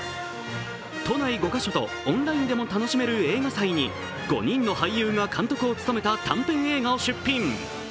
都内５か所とオンラインでも楽しめる映画祭に５人の俳優が監督を務めた短編映画を出品。